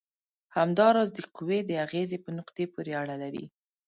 همدا راز د قوې د اغیزې په نقطې پورې اړه لري.